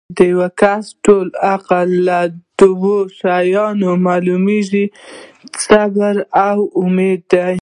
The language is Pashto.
د یو کس ټول عقل لۀ دوه شیانو معلومیږي صبر او اُمید